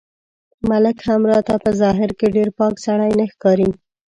ملک هم راته په ظاهر کې ډېر پاک سړی نه ښکاري.